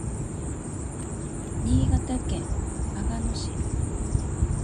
新潟県阿賀野市